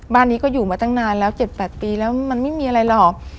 บ้านนี้ก็อยู่มาตั้งนานแล้ว๗๘ปีแล้วมันไม่มีอะไรหรอก